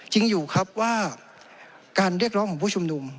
จริงอยู่ครับว่าการเรียกร้องของผู้ชุมนุม